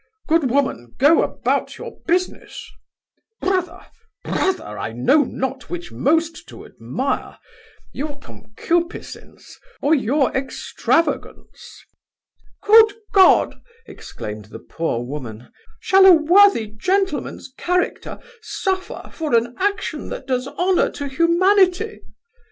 Good woman, go about your business Brother, brother, I know not which most to admire; your concupissins, or your extravagance!' 'Good God (exclaimed the poor woman) shall a worthy gentleman's character suffer for an action that does honour to humanity?